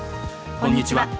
こんにちは。